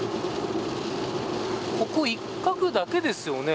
ここ一角だけですよね。